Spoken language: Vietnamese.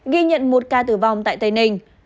ghi nhận một ca tử vong tại tây ninh